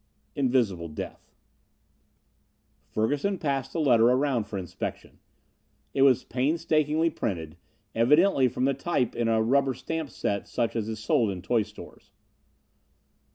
Invisible Death. Ferguson passed the letter around for inspection. It was painstakingly printed, evidently from the type in a rubber stamp set such as is sold in toy stores.